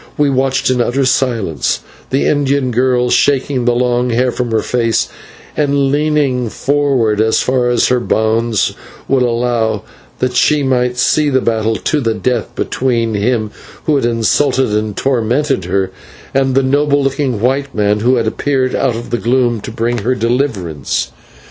We watched in utter silence, the Indian girl shaking the long hair from her face, and leaning forward as far as her bonds would allow, that she might see this battle to the death between him who had insulted and tormented her, and the noble looking white man who had appeared out of the gloom to bring her deliverance.